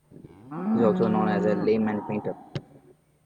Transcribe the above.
He is also known as the layman painter.